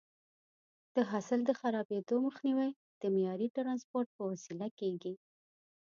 د حاصل د خرابېدو مخنیوی د معیاري ټرانسپورټ په وسیله کېږي.